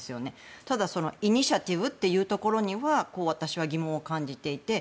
ただイニシアチブというところには私は疑問を感じていて。